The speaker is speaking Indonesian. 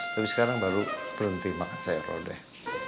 tapi sekarang baru berhenti makan sayur rode